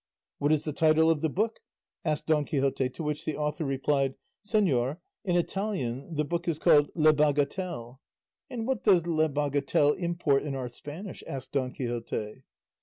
"What is the title of the book?" asked Don Quixote; to which the author replied, "Señor, in Italian the book is called Le Bagatelle." "And what does Le Bagatelle import in our Spanish?" asked Don Quixote.